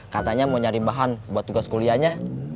katanya mau nyari bahan buat tugas kuliahnya